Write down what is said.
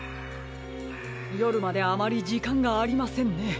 よるまであまりじかんがありませんね。